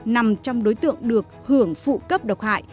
nằm trong đối tượng được hưởng phụ cấp độc hại